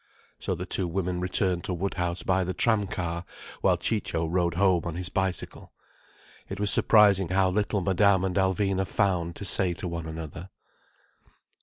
So the two women returned to Woodhouse by the tram car, while Ciccio rode home on his bicycle. It was surprising how little Madame and Alvina found to say to one another.